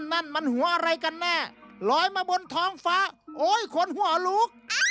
นั่นมันหัวอะไรกันแน่ลอยมาบนท้องฟ้าโอ้ยคนหัวลุก